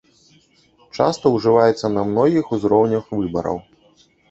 Часта ўжываецца на многіх узроўнях выбараў.